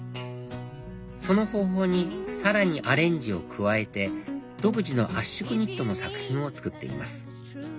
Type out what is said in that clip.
その方法にさらにアレンジを加えて独自の圧縮ニットの作品を作っています